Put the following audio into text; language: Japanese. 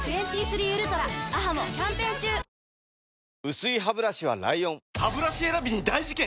薄いハブラシは ＬＩＯＮハブラシ選びに大事件！